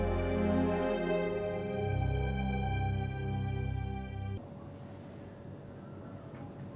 nah ada makanan tuh